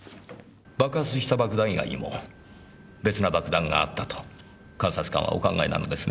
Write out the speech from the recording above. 爆発した爆弾以外にも別な爆弾があったと監察官はお考えなのですね？